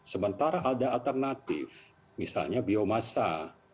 sementara ada alternatif misalnya biomasa